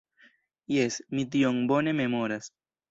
Jes, mi tion bone memoras.